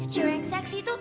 jiwa yang seksi tuh